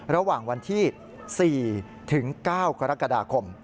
ระหว่างวันที่๔ถึง๙กรกฎาคม